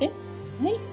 はい。